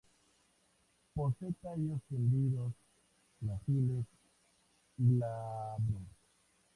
Posee tallos tendidos, gráciles y glabros.